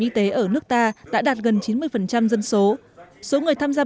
y tế tăng nhanh qua các năm bình quân mỗi năm tăng bốn mươi tám